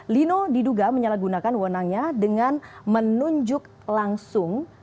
lino diduga menyalahgunakan wonangnya dengan menunjuk langsung